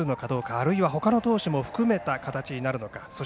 あるいはほかの投手も含めた形になるのかどうか。